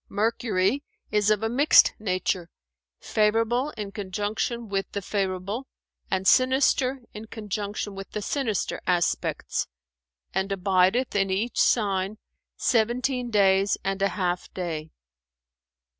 Mercury is of a mixed nature, favourable in conjunction with the favourable, and sinister in conjunction with the sinister aspects, and abideth in each sign seventeen days and a half day.